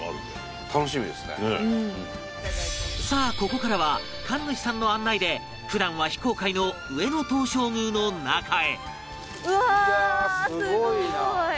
さあここからは神主さんの案内で普段は非公開の上野東照宮の中へ